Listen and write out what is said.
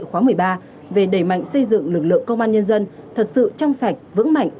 khóa một mươi ba về đẩy mạnh xây dựng lực lượng công an nhân dân thật sự trong sạch vững mạnh